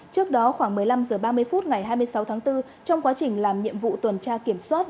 trước đó khoảng một mươi năm h ba mươi phút ngày hai mươi sáu tháng bốn trong quá trình làm nhiệm vụ tuần tra kiểm soát